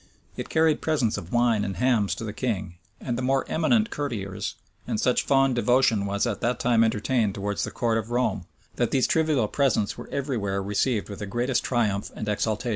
It carried presents of wine and hams to the king and the more eminent courtiers; and such fond devotion was at that time entertained towards the court of Rome, that these trivial presents were every where received with the greatest triumph and exultation.